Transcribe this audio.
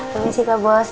permisi kak bos